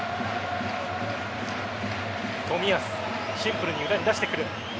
冨安シンプルに裏に出してくる。